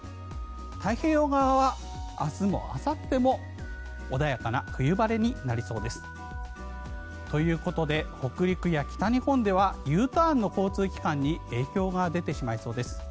太平洋側は明日もあさっても穏やかな冬晴れになりそうです。ということで北陸や北日本ではＵターンの交通機関に影響が出てしまいそうです。